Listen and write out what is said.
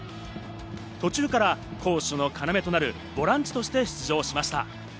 途中から攻守の要となるボランチとして出場しました。